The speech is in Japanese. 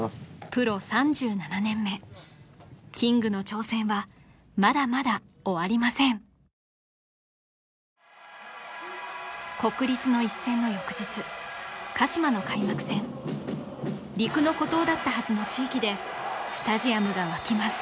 プロ３７年目キングの挑戦はまだまだ終わりません国立の一戦の翌日鹿島の開幕戦陸の孤島だったはずの地域でスタジアムが沸きます